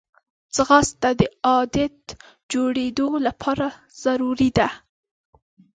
ځغاسته د عادت جوړېدو لپاره ضروري ده